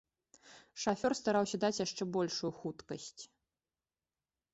Шафёр стараўся даць яшчэ большую хуткасць.